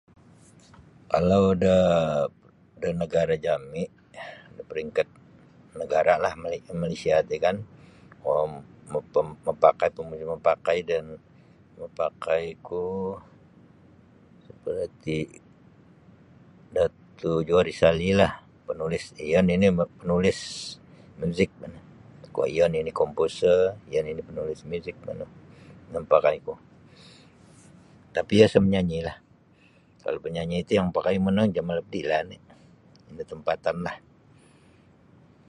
Kalau da da nagara jami da peringkat nagara lah Malaysia ti kan kuo mem-mapakai pemuzik mapakai da yang mapakai ku seperti Dato' Johari Salleh lah panulis iyo nini panulis muzik bah noh iyo nini kompuser iyo nini panulis muzik manu ino mapakai ku tapi iyo isa manyanyi lah kalau panyanyi ti yang mapakai mu no Jamal Abdillah oni ino tampatan lah.